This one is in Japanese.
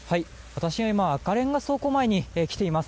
私、赤レンガ倉庫前に来ています。